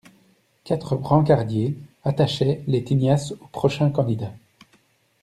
Quatre brancardiers attachaient les tignasses au prochain candidat.